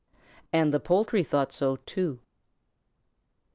And the poultry thought so too.